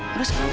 terus apa nih